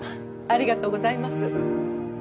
ありがとうございます。